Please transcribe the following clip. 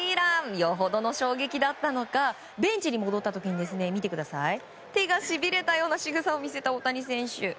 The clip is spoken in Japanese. よほどの衝撃だったのかベンチに戻った時に手がしびれたようなしぐさを見せた大谷選手。